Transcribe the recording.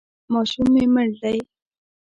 ماشوم مې مړ دی.